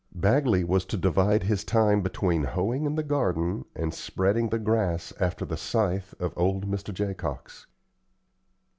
Bagley was to divide his time between hoeing in the garden and spreading the grass after the scythe of old Mr. Jacox.